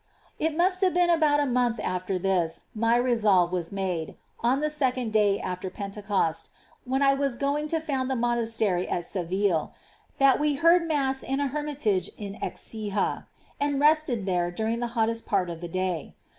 3. It must have been about a month after this my The vow. resolve was made, on the second day after Pentecost, when I was going to found the monastery in Seville, that we heard Mass in a hermitage in Ecija, and rested there during the hottest part of the day.